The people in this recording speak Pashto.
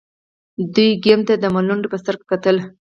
دوی ګیوم ته د ملنډو په سترګه کتل.